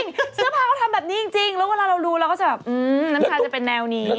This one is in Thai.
น้ำชาไม่จริงเสื้อพาก็ทำแบบนี้จริงแล้วเวลาเราดูเราก็จะแบบอืมน้ำชาจะเป็นแนวนี้